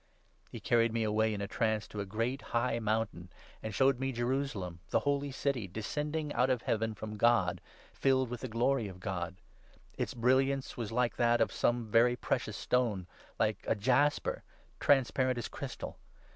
He carried me away in a trance to a great 10 high mountain, and showed me Jerusalem, the Holy City, descending out of Heaven from God, filled with the glory of n God. Its brilliance was like that of some very precious stone, like a jasper, transparent as crystal.